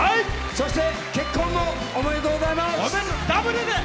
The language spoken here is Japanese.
そして、結婚もおめでとうございます。